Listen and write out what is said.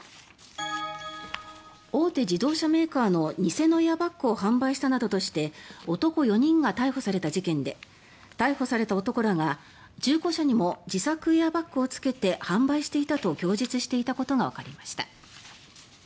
大手自動車メーカーの偽のエアバッグを販売したなどとして男４人が逮捕された事件で逮捕された男らが中古車にも自作エアバッグをつけて販売していたと供述していたことがわかりました。